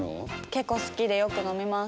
結構好きでよく飲みます。